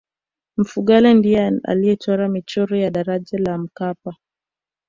mfugale ndiye aliyechora michoro ya daraja la mkapa